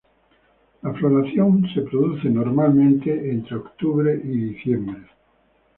La floración se produce normalmente entre octubre y diciembre.